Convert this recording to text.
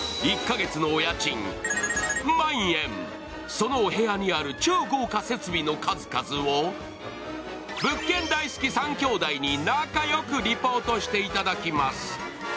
そのお部屋にある超豪華設備の数々を物件大好き３兄弟に仲良くリポートしてもらいます。